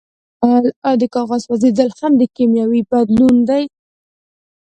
ایا د کاغذ سوځیدل هم یو کیمیاوي بدلون دی